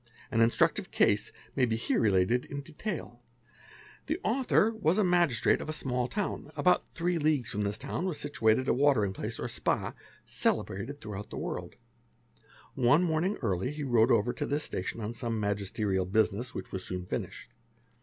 An instructive case may be here related in detail. <ppemecRseBN sy" 5 RHR ene es al The author was a Magistrate of a small town; about three leagues from this town was situated a watering place or Spa, celebrated throughout ie be a ee he world. One morning early, he rode over to this station on some magisterial business which was soon finished.